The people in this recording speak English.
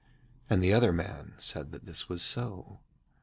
And the other said that this was so.